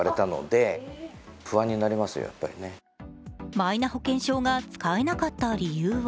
マイナ保険証が使えなかった理由は